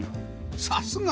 さすが！